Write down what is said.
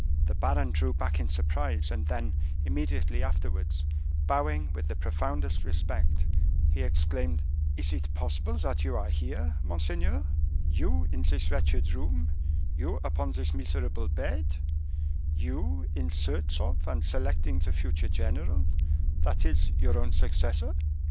The baron drew back in surprise; and then, immediately afterwards, bowing with the profoundest respect, he exclaimed, "Is it possible that you are here, monseigneur; you, in this wretched room; you, upon this miserable bed; you, in search of and selecting the future general, that is, your own successor?"